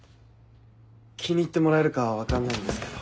気に入ってもらえるか分かんないんですけど。